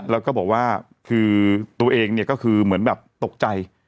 แล้วก็บอกว่าคือตัวเองเนี่ยก็คือเหมือนแบบตกใจ